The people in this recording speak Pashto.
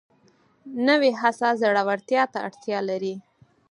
نوې هڅه زړورتیا ته اړتیا لري